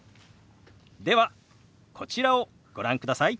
ではこちらをご覧ください。